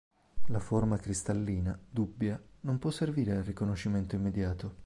La forma cristallina, dubbia, non può servire al riconoscimento immediato.